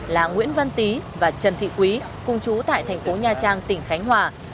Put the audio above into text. là nguyễn văn tý và trần thị quý cùng chú tại thành phố nha trang tỉnh khánh hòa